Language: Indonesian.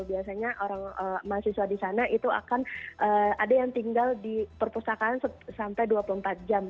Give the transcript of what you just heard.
biasanya orang mahasiswa di sana itu akan ada yang tinggal di perpustakaan sampai dua puluh empat jam